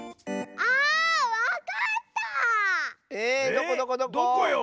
どこどこどこ⁉えどこよ？